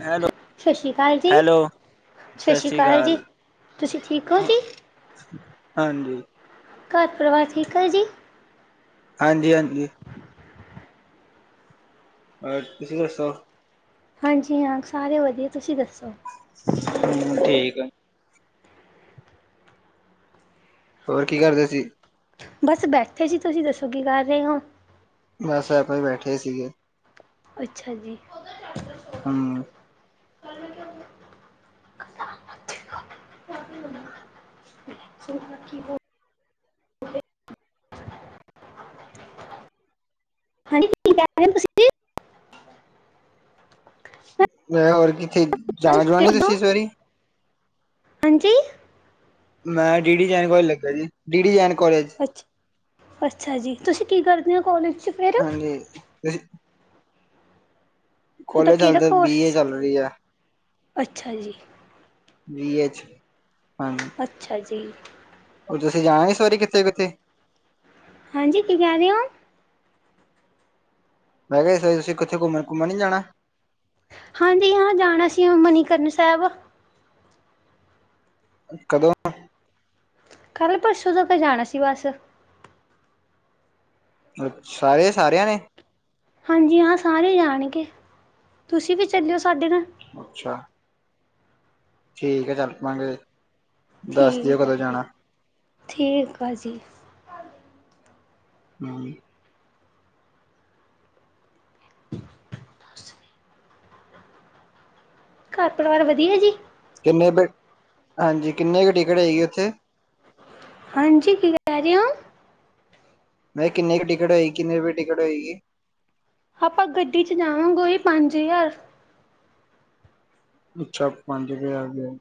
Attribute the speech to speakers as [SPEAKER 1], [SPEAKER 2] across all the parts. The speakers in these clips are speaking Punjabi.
[SPEAKER 1] ਹੈਲੋ।
[SPEAKER 2] ਸਤਿ ਸ਼੍ਰੀ ਅਕਾਲ ਜੀ।
[SPEAKER 1] ਹੈਲੋ
[SPEAKER 2] ਸਤਿ ਸ਼੍ਰੀ ਅਕਾਲ ਜੀ ਤੁਸੀਂ ਠੀਕ ਹੋ ਜੀ।
[SPEAKER 1] ਹਾਂਜੀ
[SPEAKER 2] ਘਰ ਪਰਿਵਾਰ ਠੀਕ ਹੈ ਜੀ।
[SPEAKER 1] ਹਾਂਜੀ ਹਾਂਜੀ। ਅ ਤੁਸੀਂ ਦੱਸੋ।
[SPEAKER 2] ਹਾਂਜੀ ਹਾਂ ਸਾਰੇ ਵਧੀਆ ਤੁਸੀਂ ਦੱਸੋ।
[SPEAKER 1] ਹਮ ਠੀਕ ਆ। ਹੋਰ ਕੀ ਕਰਦੇ ਸੀ।
[SPEAKER 2] ਬਸ ਬੈਠੇ ਜੀ ਤੁਸੀਂ ਦੱਸੋ ਕੀ ਕਰ ਰਹੇ ਹੋ।
[SPEAKER 1] ਬਸ ਆਪਾਂ ਹੀ ਬੈਠੇ ਸੀਗੇ।
[SPEAKER 2] ਅੱਛਾ ਜੀ।
[SPEAKER 1] ਹਮ।
[SPEAKER 2] ਕੀ ਹੋ। ਹਾਂਜੀ ਕੀ ਕਹਿ ਰਹੇ ਤੁਸੀਂ‌।
[SPEAKER 1] ਮੈਂ ਹੋਰ ਕਿੱਥੇ ਜਾਣਾ ਜੁਣਾ ਨੀ ਤੁਸੀਂ ਇਸ ਵਾਰੀ।
[SPEAKER 2] ਹਾਂਜੀ।
[SPEAKER 1] ਮੈਂ ਡੀ ਡੀ ਜੈਨ ਕੋਾਲਜ ਲੱਗਾ ਜੀ ਡੀ ਡੀ ਜੈਨ ਕੋਾਲਜ।
[SPEAKER 2] ਅੱਛ ਅੱਛਾ ਜੀ ਤੁਸੀਂ ਕੀ ਕਰਦੇ ਹੋ ਕੋਲਜ।
[SPEAKER 1] ਹਾਂਜੀ ਤੁਸੀਂ।
[SPEAKER 2] ਤੁਹਾਡਾ
[SPEAKER 1] ਕੋਲੇਜ
[SPEAKER 2] ਕਿਹੜਾ
[SPEAKER 1] ਚੱਲਦੇ ਬੀ ਏ
[SPEAKER 2] ਕੋਰਸ?
[SPEAKER 1] ਚੱਲ ਰਹੀ ਹੈ।
[SPEAKER 2] ਅੱਛਾ ਜੀ
[SPEAKER 1] ਬੀ ਏ ਚ ਹਾਂਜੀ।
[SPEAKER 2] ਅੱਛਾ ਜੀ।
[SPEAKER 1] ਹੋਰ ਤੁਸੀਂ ਜਾਣਾਗੇ ਸਵਰੀ ਕਿੱਥੇ ਕਿੱਥੇ
[SPEAKER 2] ਹਾਂਜੀ ਕੀ ਕਹਿ ਰਹੇ ਹੋ
[SPEAKER 1] ਮੈਂ ਕਿਹਾ ਇਸ ਤੁਸੀਂ ਕਿੱਥੇ ਘੁੰਮਣ ਘੁੰਮਣ ਨੀ ਜਾਣਾ
[SPEAKER 2] ਹਾਂਜੀ ਹਾਂ ਜਾਣਾ ਸੀ ਮਨੀਕਰਨ ਸਾਹਿਬ
[SPEAKER 1] ਕਦੋਂ
[SPEAKER 2] ਕੱਲ੍ਹਪਰਸੂ ਤੱਕ ਜਾਣਾ ਸੀ ਬਸ
[SPEAKER 1] ਅਛਾ ਸਾਰੇਸਾਰਿਆਂ ਨੇ
[SPEAKER 2] ਹਾਂਜੀ ਹਾਂ ਸਾਰੇ ਜਾਣਗੇ, ਤੁਸੀਂ ਵੀ ਚੱਲਿਓ ਸਾਡੇ ਨਾ
[SPEAKER 1] ਅੱਛਾ ਠੀਕ ਐ ਚੱਲ ਪਾਾਂਗੇ
[SPEAKER 2] ਠੀਕ ਆ ਜੀ, ਠੀਕ ਆ ਜੀ
[SPEAKER 1] ਹਾਂਜੀ
[SPEAKER 2] ਘਰ, ਪਰਿਵਾਰ ਵਧੀਆ ਜੀ
[SPEAKER 1] ਕਿੰਨੇ ਹਾਂਜੀ ਕਿੰਨੇ ਕੁ ਟਿਕਟ ਹੈਏਗੀ ਉੱਥੇ।
[SPEAKER 2] ਹਾਂਜੀ ਕੀ ਕਹਿ ਰਹੇ ਹੋ?
[SPEAKER 1] ਮੈਂ ਕਿਹਾ ਕਿੰਨੀ ਕੁ ਟਿਕਟ ਹੋਏਗੀ ਕਿਨੇ ਰੁਪਏ ਟਿਕਟ ਹੋਏਗੀ।
[SPEAKER 2] ਆਪਾਂ ਗੱਡੀ ਚ ਜਾਵਾਂਗੇੋ ੳਹੀ ਪੰਜ ਛੇਹ ਹਜ਼ਾਰ।
[SPEAKER 1] ਅੱਛਾ ਪੰਜ ਹਜ਼ਾਰ ਰੁਪਏ।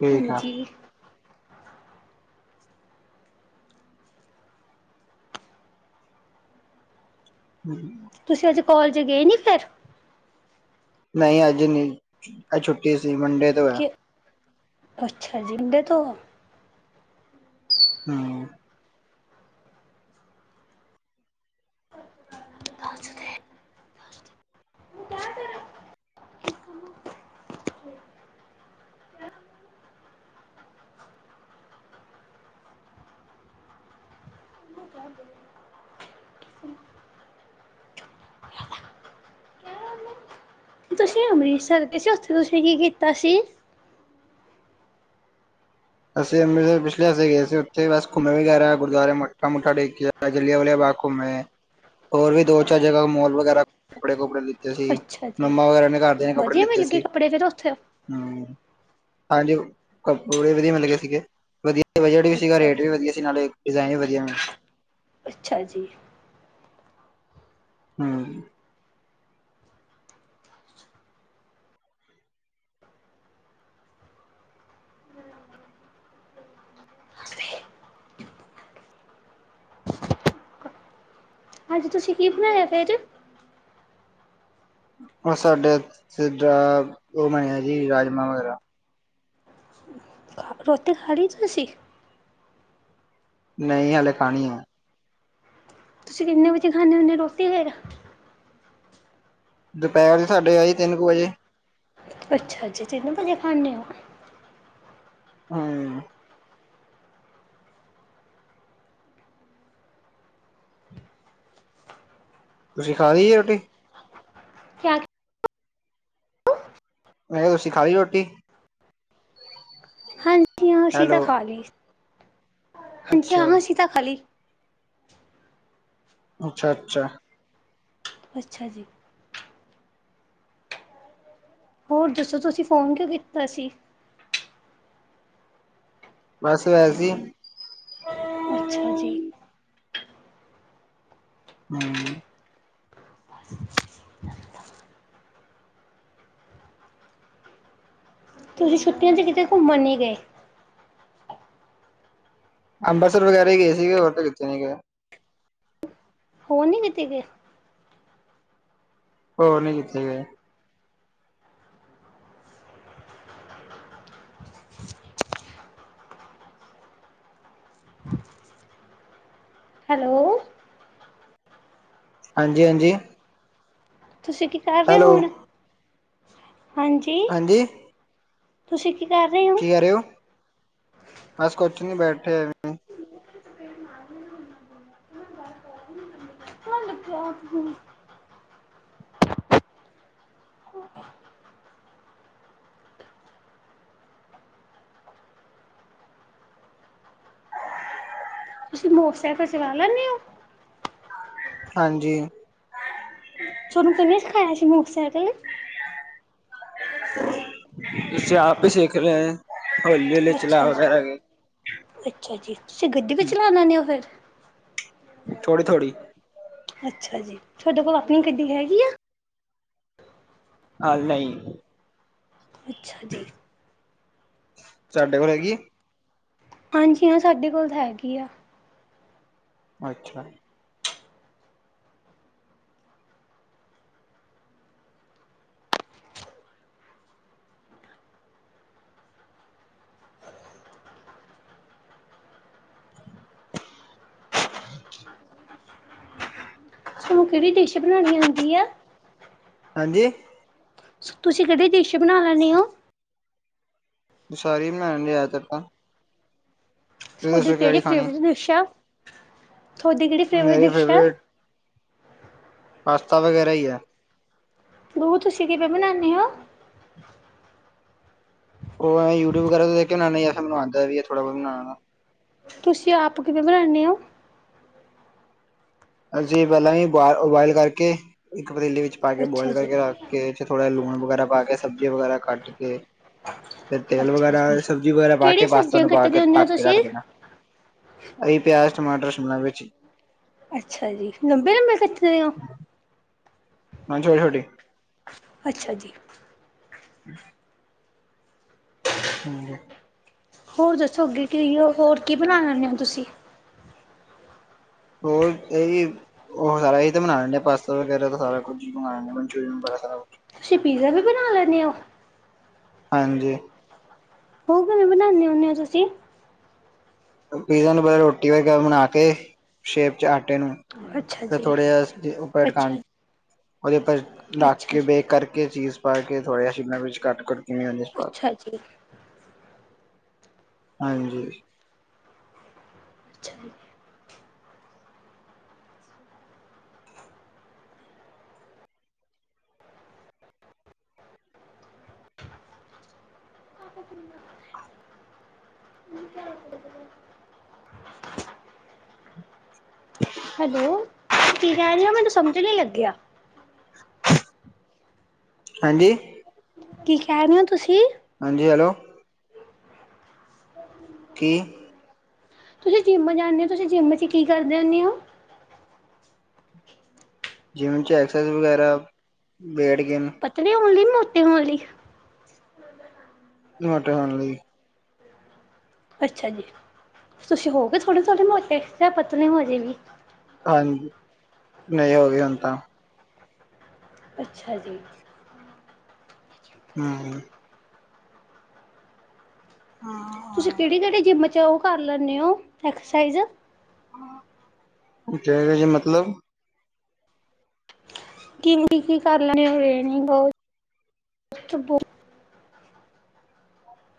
[SPEAKER 1] ਠੀਕ ਆ
[SPEAKER 2] ਹਾਂਜੀ।
[SPEAKER 1] ਹਮ
[SPEAKER 2] ਤੁਸੀਂ ਅੱਜੇ ਕੋਲਜ ਗਏ ਨੀ ਫਿਰ
[SPEAKER 1] ਨਹੀਂ ਅੱਜ ਨਹੀਂ, ਛੁੱਟੀ ਸੀ ਮੁੰਡੇ
[SPEAKER 2] ਕਿ, ਅੱਛਾ ਜੀ ਵੇਥੋ
[SPEAKER 1] ਹਮ
[SPEAKER 2] ਤੁਸੀਂ ਅੰਮ੍ਰਿਤਸਰ ਦੇ ਸੀ ਉੱਥੇ ਤੁਸੀਂ ਕੀ ਕੀ ਕੀਤਾ ਸੀ
[SPEAKER 1] ਅਸੀਂ ਅੰਮ੍ਰਿਸਰ ਪਿਛਲੇ ਹਫ਼ਤੇ ਗਏ ਸੀ ਉਥੇ ਬਸ ਘੁੰਮ ਵੀਗੈਰਾ ਗੁਰਦੁਆਰੇ ਮਠਾ ਮੁਠਾ ਟੇਕਿਆ ਜਲੀਆਂ ਵਾਲੀਆਂ ਬਾਘ ਘੁੰਮ ਅੇ, ਹੋਰ ਵੀ ਦੋ-ਚਾਰ ਜਗਾ ਮੋਲ ਵਗੈਰਾ ਕੱਪੜੇ ਕੁਪੜੇ ਸੀ,
[SPEAKER 2] ਅੱਛਾ ਜੀ
[SPEAKER 1] ਮੰਮਾ ਵਗੈਰਾ ਨੇ ਘਰਦਿਆਂ ਕੱਪੜੇ
[SPEAKER 2] ਵਧੀਆ
[SPEAKER 1] ਲਿੱਤੇ
[SPEAKER 2] ਮਿਲ ਗਏ
[SPEAKER 1] ਸੀ
[SPEAKER 2] ਕੱਪੜੇ ਫਿਰ ਉੱਥੇ
[SPEAKER 1] ਹਮ, ਹਾਂਜੀ, ਕੱਪੜੇ ਵਧੀਆ ਮਿਲਗੇ ਸੀਗੇ ਵਧੀਆ ਬਜਟ ਵੀ ਸੀਗਾ
[SPEAKER 2] ਅੱਛਾ
[SPEAKER 1] ਰੇਟ
[SPEAKER 2] ਜੀ
[SPEAKER 1] ਵੀ ਵਧੀਆ ਸੀ ਨਾਲੇ ਡਿਜ਼ਾਇਨ ਵੀ ਵਧੀਆ
[SPEAKER 2] ਅੱਛਾ ਜੀ
[SPEAKER 1] ਹਮ
[SPEAKER 2] ਹਾਂਜੀ ਤੁਸੀਂ ਕੀ ਬਣਾਇਆ ਫਿਰ
[SPEAKER 1] ਉਹ ਸਾਡੇ, ਉਹ ਬਣਿਆ ਜੀ ਰਾਜਮਾਂ ਵਗੈਰ
[SPEAKER 2] ਰੋਟੀ ਖਾਲੀ ਤੂਸੀ
[SPEAKER 1] ਨਹੀਂ ਹਲੇ ਖਾਣੀ ਆ
[SPEAKER 2] ਤੁਸੀਂ ਕਿੰਨੇ ਵਜੇ ਖਾਂਦੇ ਹੁੰਦੇ ਰੋਟੀ ਫੇਰ
[SPEAKER 1] ਦੁਪਹਿਰ ਸਾਡੇ ਆਈ ਤਿੰਨ ਕੁ ਵਜੇ
[SPEAKER 2] ਅੱਛਾ ਜੀ ਤਿੰਨ ਵਜੇ ਖਾਂਦੇ ਹੋ
[SPEAKER 1] ਹਾਂ ਤੁਸੀਂ ਖਾ ਲਈ ਐ ਰੋਟੀ
[SPEAKER 2] [unintelligible]
[SPEAKER 1] ਮੈਂ ਕਿਹਾ ਤੁਸੀਂ ਖਾ ਲਈ ਰੋਟੀ
[SPEAKER 2] ਹਾਂ-ਹਾਂ
[SPEAKER 1] ਹੈਲੋ
[SPEAKER 2] ਸੀਤਾ ਖਾਲੀ, ਹਾਂਜੀ
[SPEAKER 1] ਅੱਛਾ
[SPEAKER 2] ਹਾਂ ਸੀਤਾ ਖਾਲੀ
[SPEAKER 1] ਅੱਛਾ ਅੱਛਾ
[SPEAKER 2] ਅੱਛਾ ਜੀ ਹੋਰ ਦੱਸੋ ਤੁਸੀਂ ਫੋਨ ਕਿਉਂ ਕੀਤਾ ਸੀ
[SPEAKER 1] ਬਸ ਵੈਸੀ
[SPEAKER 2] ਅੱਛਾ ਜੀ
[SPEAKER 1] ਹਮ
[SPEAKER 2] [unintelligible] ਤੁਸੀਂ ਛੁੱਟੀਆ ਤੇ ਕਿਤੇ ਘੁੰਮਣ ਨਹੀਂ ਗਏ
[SPEAKER 1] ਅੰਮ੍ਰਿਤਸਰ ਵਗੈਰਾ ਹੀ ਗਏ ਸੀਗੇ ਹੋਰ ਤਾਂ ਕਿੱਥੇ ਨੀ ਗਏ।
[SPEAKER 2] ਹੋ ਨਹੀਂ ਕਿਤੇ ਗਏ।
[SPEAKER 1] ਹੋ ਨਹੀਂ ਕਿਤੇ ਗਏ।
[SPEAKER 2] ਹੈਲੋ
[SPEAKER 1] ਹਾਂਜੀ-ਹਾਂਜੀ
[SPEAKER 2] ਤੁਸੀਂ ਕੀ ਕਰ ਰਹੇ ਹੋ ਹੁਣ ਹਾਂਜੀ
[SPEAKER 1] ਹਾਂਜੀ।
[SPEAKER 2] ਤੁਸੀਂ ਕੀ ਕ
[SPEAKER 1] ਕੀ ਕਰ ਰਹੇ ਹੋ ਬਸ ਕੁਛ ਨੀ ਬੈਠੇ ਐਵੇਂ [unintelligible]
[SPEAKER 2] ਹਣ ਲੱਗਿਆ। [inaudible] ਤੁਸੀਂ ਮੋਟਰਸਾਇਕਲ ਚਲਾ ਲੈਂਦੇ ਹੋ
[SPEAKER 1] ਹਾਂਜੀ
[SPEAKER 2] ਚਲੋ ਤੂਹਾਨੂੰ ਕੀਨੇ ਸੀਖਾਯਾ ਸੀ ਮੋਟਰਸਾਇਕਲ
[SPEAKER 1] ਜੇ ਆਪ ਹੀ ਸਿੱਖ ਰਹੇ ਹੈ।
[SPEAKER 2] ਅੱਛਾ ਜੀ ਅੱਛਾ ਜੀ ਤੁਸੀਂ ਗੱਡੀ ਵੀ ਚਲਾ ਲੈਂਦੇ ਹੋ ਫਿਰ
[SPEAKER 1] ਥੋੜ੍ਹੀ-ਥੋੜ੍ਹੀ
[SPEAKER 2] ਅੱਛਾ ਜੀ ਤੁਹਾਡੇ ਕੋਲ ਆਪਣੀ ਗੱਡੀ ਹੈਗੀ ਆ।
[SPEAKER 1] ਹਾਂ ਨਹੀਂ।
[SPEAKER 2] ਅੱਛਾ ਜੀ।
[SPEAKER 1] ਤੁਹਾਡੇ ਕੋਲ ਹੈਗੀ।
[SPEAKER 2] ਹਾਂਜੀ ਹਾਂ ਸਾਡੇ ਕੋਲ ਤਾਂ ਹੈਗੀ ਆ।
[SPEAKER 1] ਅੱਛਾ।
[SPEAKER 2] ਤੁਹਾਨੂੰ ਕਿਹੜੀ ਡਿਸ਼ ਬਣਾਉਣੀ ਆਉਂਦੀ ਆ
[SPEAKER 1] ਹਾਂਜੀ।
[SPEAKER 2] ਤੁਸੀਂ ਕਿਹੜੀ ਡਿਸ਼ ਬਣਾ ਲੈਦੇ ਹੋ।
[SPEAKER 1] ਸੋਰੀ ਮ ਲ ਆਦਾ ਤ [unintelligible]
[SPEAKER 2] ਤੁਹਾਡੀ ਕਿਹੜੀ
[SPEAKER 1] ਖਾਣੀ
[SPEAKER 2] ਫੇਵਰੇਟ ਡਿਸ਼ ਹੈ। ਤੁਹਾਡੀ ਕਿਹੜੀ ਫੇਵਰੇਟ ਡਿਸ਼ ਆ।
[SPEAKER 1] ਪਾਸਤਾ ਵਗੈਰਾ ਹੀ ਹੈ।
[SPEAKER 2] ਰੋਜ ਤੁਸੀਂ ਵੀ ਬਨਾਉਦੇ ਹੋ।
[SPEAKER 1] ਉਹ ਯੂਟੀਊਬ ਵਗੈਰਾ ਦੇਖ ਬਉਦੇ ਫਿਰੈਨ ਆਉਦਾ ਵੀ ਥੋੜਾ ਬਹੁਤ ਬਣਾ ਲੇਨਾ।
[SPEAKER 2] ਤੁਸੀਂ ਆਪ ਕਿਵੇਂ ਬਣਾਉਂਦੇ ਹੋ।
[SPEAKER 1] ਅਸੀਂ ਪਹਿਲਾਂ ਵੀ ਉਬੋਇਲ ਕਰਕੇ ਇੱਕ ਪਤੀਲੇ ਵਿੱਚ ਪਾ ਕੇ
[SPEAKER 2] ਅੱਛਾ
[SPEAKER 1] ਬੋਇਲ
[SPEAKER 2] ਜੀ,
[SPEAKER 1] ਕਰਕੇ ਰੱਖ ਕੇ ਥੋੜਾ ਲੂਣ ਵਗੈਰਾ ਪਾ ਕੇ ਸਬਜ਼ੀ ਵਗੈਰਾ ਕੱਟ ਕੇ ਫਿਰ ਤੇਲ
[SPEAKER 2] ਅੱਛਾ
[SPEAKER 1] ਵਗੈਰਾ
[SPEAKER 2] ਜੀ।
[SPEAKER 1] ਸਬਜ਼ੀ ਵਗੈਰਾ ਪਾ ਕੇ
[SPEAKER 2] ਕਿਹੜੀ
[SPEAKER 1] ਪਾਸਤਾ
[SPEAKER 2] ਸਬਜ਼ੀਆਂ
[SPEAKER 1] ਨੂੰ ਪਾ ਕੇ
[SPEAKER 2] ਕੱਟਦੇ ਹੁੰਦੇ ਹੋ
[SPEAKER 1] ਟੱਕ ਕੇ ਰੱਖ
[SPEAKER 2] ਤੁਸੀਂ?
[SPEAKER 1] ਦੇਣਾ। ਅਈ ਪਿਆਜ਼ ਟਮਾਟਰ ਸ਼ਿਮਲਾ ਮਿਰਚ
[SPEAKER 2] ਅੱਛਾ ਜੀ ਲੰਬੇ ਲੰਬੇ ਕੱਟਦੇ ਹੋ।
[SPEAKER 1] ਹ ਛੋਟੀ ਛੋਟੀ।
[SPEAKER 2] ਅੱਛਾ ਜੀ।
[SPEAKER 1] [inaudible] ਹਾਂਜੀ।
[SPEAKER 2] ਹੋਰ ਦੱਸੋ ਅੱਗੇ ਕਿ ਹੋਰ ਕੀ ਬਣਾ ਲੈਂਦੇ ਹੋ ਤੁਸੀਂ
[SPEAKER 1] ਹੋਰ ਇਹ ਉਹ ਸਾਰਾ ਇਹ ਤਾਂ ਬਣਾ ਲੈਨੇ ਆ ਪਾਸਤਾ ਵਗੈਰਾ ਸਾਰਾ ਕੁਛ ਮਨਚੂਰੀਅਨ ਵ ਸਾਰਾ ਕੁਛ
[SPEAKER 2] ਤੁਸੀਂ ਪੀਜ਼ਾ ਵੀ ਬਣਾ ਲੈਂਦੇ ਹੋ।
[SPEAKER 1] ਹਾਂਜੀ।
[SPEAKER 2] ਉਹ ਕਿਵੇਂ ਬਣਾਉਂਦੇ ਹੁੰਦੇ ਹੋ ਤੁਸੀਂ
[SPEAKER 1] ਪੀਜ਼ਾ ਨੂੰ ਪਲ ਰੋਟੀ ਵਗੈਰਾ ਬਣਾ ਕੇ ਸ਼ੇਪ ਚ ਆਟੇ ਨੂੰ
[SPEAKER 2] ਅੱਛਾ
[SPEAKER 1] ਫਿਰ
[SPEAKER 2] ਜੀ।
[SPEAKER 1] ਥੋੜੇ ਜ ਉੱਪਰ ਕ
[SPEAKER 2] ਅੱਛਾ ਜੀ,
[SPEAKER 1] ਉਹਦੇਪਰ
[SPEAKER 2] ਅੱਛਾ
[SPEAKER 1] ਡਕੇ
[SPEAKER 2] ਜੀ,
[SPEAKER 1] ਬੇਕ ਕਰਕੇ ਚੀਜ਼ ਪਾ ਕੇ ਥੋੜਾ ਜਿਹਾ ਸ਼ਿਮਲਾ ਮਿਰਚ ਵਿੱਚ ਕੱਟ ਕਰ ਕਿਵੇਂ ਹੋ ਜਸਪਾਲ
[SPEAKER 2] ਅੱਛਾ ਜੀ,
[SPEAKER 1] ਹਾਂਜੀ
[SPEAKER 2] ਅੱਛਾ ਜੀ
[SPEAKER 1] [inaudible]
[SPEAKER 2] ਹੈਲੋ ਤੁਸੀਂ ਕੀ ਕਹਿ ਰਹੇ ਹੋ ਮੈਨੂੰ ਸਮਝਣ ਲੱਗਿਆ
[SPEAKER 1] [inaudible] ਹਾਂਜੀ
[SPEAKER 2] ਕੀ ਕਹਿ ਰਹੇ ਹੋ ਤੁਸੀਂ
[SPEAKER 1] ਹਾਂਜੀ ਹੈਲੋ ਕੀ
[SPEAKER 2] ਤੁਸੀਂ ਜਿੰਮ ਜਾਂਦੇ ਹੋ ਤੁਸੀਂ ਜਿੰਮ ' ਕੀ ਕਰਦੇ ਹੁੰਦੇ ਹੋ
[SPEAKER 1] ਜਿਮ ਚ ਐਕਸਰਸਾਈਜ਼ ਵਗੈਰਾ, ਵੇਟ ਗੇਨ
[SPEAKER 2] ਪਤਲੇ ਹੋਣ ਲਈ ਮੋਟੇ ਹੋਣ ਲਈ-
[SPEAKER 1] ਮੋਟੇ ਹੋਣ ਲਈ
[SPEAKER 2] ਅੱਛਾ ਜੀ ਤੁਸੀ ਹੋਏ ਹੋਗੇ ਥੋੜੇ-ਥੋੜੇ ਮੋਟੇ ਯਾ ਪਤਲੇ ਹੋ ਹਜੇ ਵੀ।
[SPEAKER 1] ਹਾਂਜੀ ਨਹੀਂ ਹੋ ਹੁਣ ਤਾਂ
[SPEAKER 2] ਅੱਛਾ ਜੀ।
[SPEAKER 1] ਹੂ ਹਾਂ
[SPEAKER 2] ਤੁਸੀਂ ਕਿਹੜੀ ਕਿਹੜੀ ਜਿੰਮ 'ਚ ਉਹ ਕਰ ਲੈਂਦੇ ਹੋ ਐਕਸਰਸਾਈਜ਼
[SPEAKER 1] ਜੇਆ ਮਤਲਬ
[SPEAKER 2] ਕਿ ਕੀ ਕਰ ਲੈਣੇ ਹੋਣੀ ਬ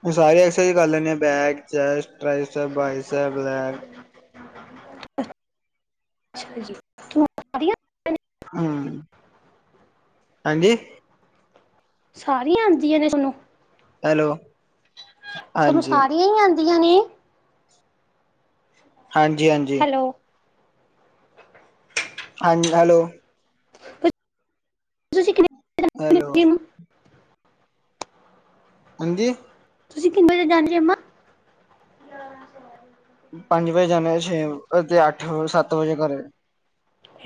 [SPEAKER 1] ਉਹ ਸਾਰੇ ਐਕਸਰਸਾਈਜ਼ ਕਰ ਲੈਂਦੇ ਆ ਬੈਕ ਚੈਸਟ ਬਸ ਲੈਗ
[SPEAKER 2] ਅੱਛਾ ਜੀ ਸਾਰੀਆਂ
[SPEAKER 1] ਹੂੰ ਹਾਂਜੀ
[SPEAKER 2] ਸਾਰੀਆਂ ਆਉਂਦੀਆਂ ਨੇ ਤੁਾਨੂੰ
[SPEAKER 1] ਹੈਲੋ
[SPEAKER 2] ਸਾਨੂੰ
[SPEAKER 1] ਹਾਂਜੀ
[SPEAKER 2] ਸਾਰੀਆਂ ਹੀ ਆਉਂਦੀਆਂ ਨੇ
[SPEAKER 1] ਹਾਂਜੀ ਹਾਂਜੀ
[SPEAKER 2] ਹੈਲੋ
[SPEAKER 1] ਹਾਂਜੀ। ਹੈਲੋ, ਹੈਲੋ
[SPEAKER 2] [unintelligible]
[SPEAKER 1] ਹਾਂਜੀ।
[SPEAKER 2] ਤੁਸੀਂ ਕਿੰਨ ਵਜੇ ਅੰਮਾ
[SPEAKER 1] ਪੰਜ ਵਜੇ ਜਾਣੇ ਛੇ ਵ ਅੱਠ ਸਤ ਵਜੇ ਕਰੇ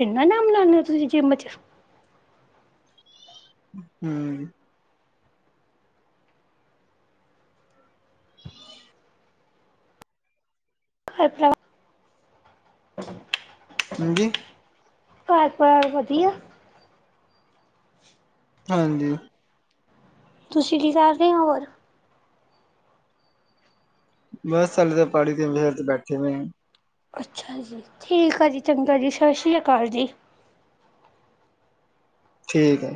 [SPEAKER 2] ਇੰਨਾ ਨਾਮ ਲਾਂਦੇ ਹੋ ਤੁਸੀਂ ਜਿੰਮ ਚ
[SPEAKER 1] ਹੂ
[SPEAKER 2] ਅਣਾ
[SPEAKER 1] ਹਾਂਜੀ
[SPEAKER 2] ਘਰ ਪਰਿਵਾਰ ਵਧੀਆ
[SPEAKER 1] ਹਾਂਜੀ
[SPEAKER 2] ਤੁਸੀਂ ਕੀ ਕਰ ਰਹੇ ਹੋ ਹੋਰ
[SPEAKER 1] ਬਹੁਤ ਸਾਲ ਤਾਂ ਪਹਾੜੀ ਤੇ ਬਰ ਤੇ ਬੈਠੇ ਹੋ।
[SPEAKER 2] ਅੱਛਾ ਜੀ। ਠੀਕ ਆ ਜੀ, ਚੰਗਾ ਜੀ, ਸਤਿ ਸ਼੍ਰੀ ਅਕਾਲ ਜੀ।
[SPEAKER 1] ਠੀਕ ਹੈ।